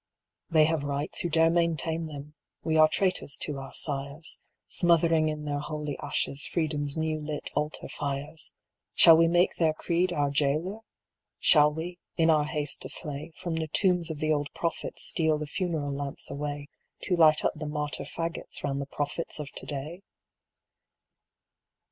They have rights who dare maintain them; we are traitors to our sires, Smothering in their holy ashes Freedom's new lit altar fires; Shall we make their creed our jailer? Shall we, in our haste to slay, From the tombs of the old prophets steal the funeral lamps away To light up the martyr fagots round the prophets of to day?